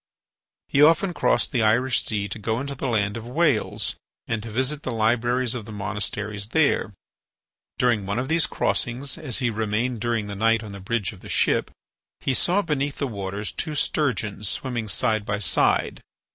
He often crossed the Irish Sea to go into the land of Wales and to visit the libraries of the monasteries there. During one of these crossings, as he remained during the night on the bridge of the ship, he saw beneath the waters two sturgeons swimming side by side.